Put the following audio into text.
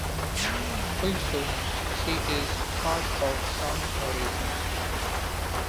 Also, she is part of Sound Horizon.